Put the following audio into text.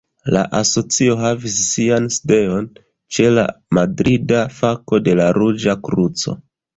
La asocio havis sian sidejon ĉe la madrida fako de la Ruĝa Kruco.